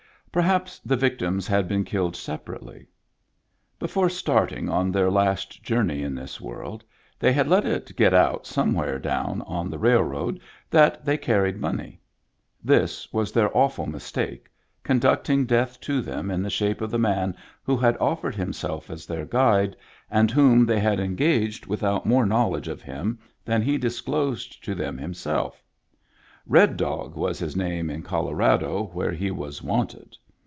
Perhaps the victims had been killed separately. Before starting on their last journey in this world, they had let it get out somewhere down on the railroad that they car ried money; this was their awful mistake, con ducting death to them in the shape of the man who had offered himself as their guide, and whom they had engaged without more knowledge of him than he disclosed to them himself. Red Dog was his name in Colorado, where he was wanted."